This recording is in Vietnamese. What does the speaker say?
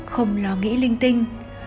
không lo nghĩ linh tinh